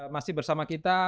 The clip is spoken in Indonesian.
masih bersama kita